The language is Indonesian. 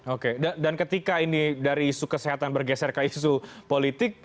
oke dan ketika ini dari isu kesehatan bergeser ke isu politik